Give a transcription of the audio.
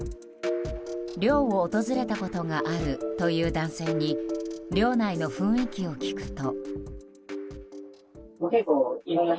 寮を訪れたことがあるという男性に寮内の雰囲気を聞くと。